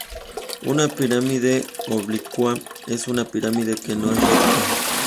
Una pirámide oblicua es una pirámide que no es recta.